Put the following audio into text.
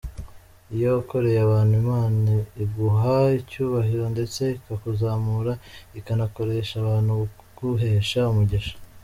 Iyo wakoreye abantu Imana iguha icyubahiro ndetse ikakuzamura, ikanakoresha abantu kuguhesha umugisha.